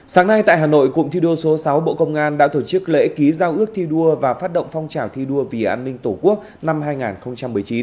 sáng nay tại hà nội cụm thi đua số sáu bộ công an đã tổ chức lễ ký giao ước thi đua và phát động phong trào thi đua vì an ninh tổ quốc năm hai nghìn một mươi chín